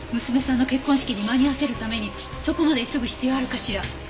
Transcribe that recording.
娘さんの結婚式に間に合わせるためにそこまで急ぐ必要あるかしら？